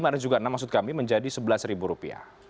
lima dan juga enam maksud kami menjadi rp sebelas